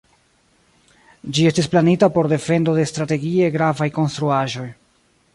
Ĝi estis planita por defendo de strategie gravaj konstruaĵoj.